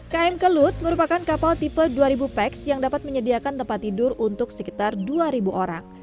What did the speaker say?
km kelut merupakan kapal tipe dua ribu pex yang dapat menyediakan tempat tidur untuk sekitar dua orang